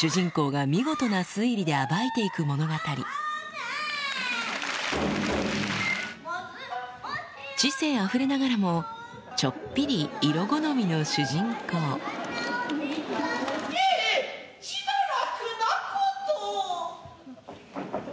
この知性あふれながらもちょっぴり色好みの主人公自堕落なことを。